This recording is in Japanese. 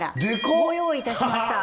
ご用意いたしました